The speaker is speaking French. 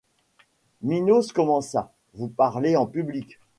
Minos commença: — Vous parlez en public.